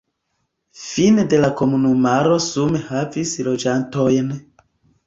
Fine de la komunumaro sume havis loĝantojn.